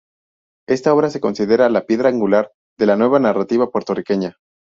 Esta obra se considera la piedra angular de la nueva narrativa puertorriqueña.